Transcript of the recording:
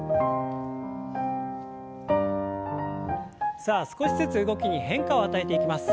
さあ少しずつ動きに変化を与えていきます。